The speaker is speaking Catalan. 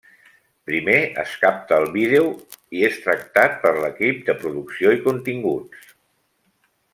Primer, es capta el vídeo i és tractat per l'equip de producció i continguts.